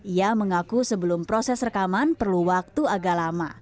ia mengaku sebelum proses rekaman perlu waktu agak lama